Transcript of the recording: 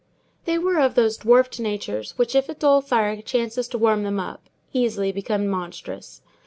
They were of those dwarfed natures which, if a dull fire chances to warm them up, easily become monstrous.